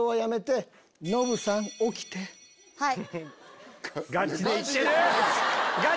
はい。